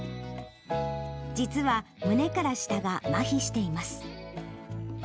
実は胸から下がまひしています。